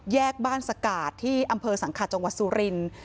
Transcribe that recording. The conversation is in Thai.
แยกบ้านสกาดที่อำเภอสังขาดจังหวัดสุรินทร์